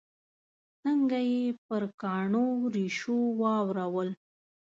څنګه یې پر کاڼو ریشو واورول.